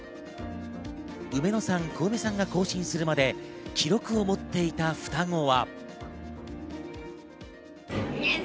ウメノさんコウメさんが更新するまで記録を持っていった双子は。